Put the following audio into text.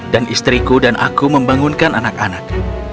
dan istriku dan aku membangunkan anak anak